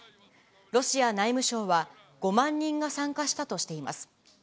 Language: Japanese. ロシア内務省は、５万人が参加したとしています。